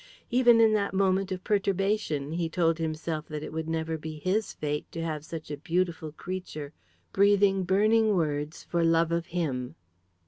Even in that moment of perturbation, he told himself that it would never be his fate to have such a beautiful creature breathing burning words for love of him.